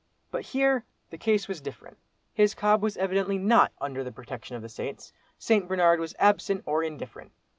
But here, the case was different. His cob was evidently not under the protection of the saints. St. Bernard was absent, or indifferent.